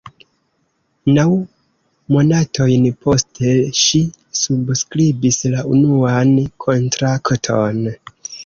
Naŭ monatojn poste, ŝi subskribis la unuan kontrakton.